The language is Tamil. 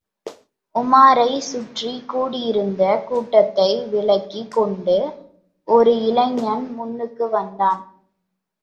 உமாரைச் சுற்றிக் கூடியிருந்த கூட்டத்தை விலக்கிக் கொண்டு, ஒரு இளைஞன் முன்னுக்கு வந்தான்.